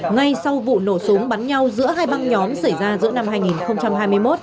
ngay sau vụ nổ súng bắn nhau giữa hai băng nhóm xảy ra giữa năm hai nghìn hai mươi một